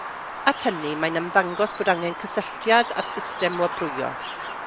At hynny, mae'n ymddangos bod angen cysylltiad â'r system wobrwyo.